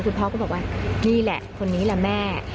พ่อก็บอกว่านี่แหละคนนี้แหละแม่